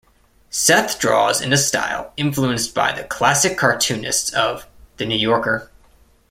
Seth draws in a style influenced by the classic cartoonists of "The New Yorker".